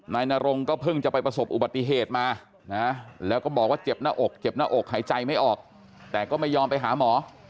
นายนรงก็เพิ่งจะไปประสบอุบัติเหตุมานะแล้วก็บอกว่าเจ็บหน้าอกเจ็บหน้าอกหายใจไม่ออกแต่ก็ไม่ยอมไปหาหมอ